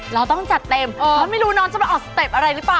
เราต้องจัดเต็มเพราะไม่รู้น้องจะมาออกสเต็ปอะไรหรือเปล่า